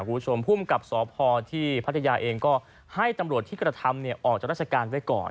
คุณผู้ชมภูมิกับสพที่พัทยาเองก็ให้ตำรวจที่กระทำออกจากราชการไว้ก่อน